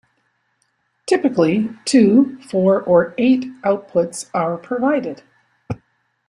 Typically, two, four or eight outputs are provided.